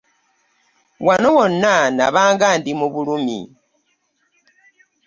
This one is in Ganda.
Wano wonna nabanga ndi mu bulumi.